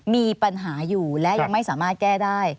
มีปัญหาอยู่และยังไม่สามารถแก้ได้